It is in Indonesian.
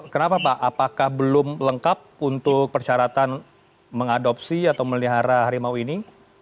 kenapa pak apakah belum lengkap untuk persyaratan mengadopsi atau melihara harimau ini